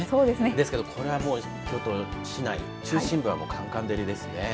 ですけど京都市内中心部はかんかん照りですね。